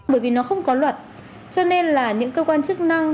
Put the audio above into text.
bởi vì nó không có luật cho nên là những cơ quan chức năng